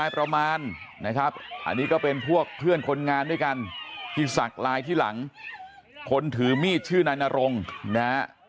อย่างน้ำนี้น่ะ